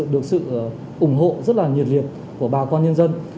được sự ủng hộ rất là nhiệt liệt của bà con nhân dân